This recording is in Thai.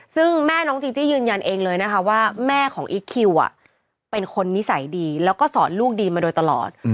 ซึ่งแม่น้องจีจี้ยืนยันเองเลยนะคะว่าแม่ของอีคคิวเป็นคนนิสัยดีแล้วก็สอนลูกดีมาโดยตลอด